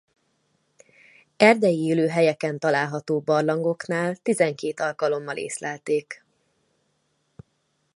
Erdei élőhelyeken található barlangoknál tizenkét alkalommal észlelték.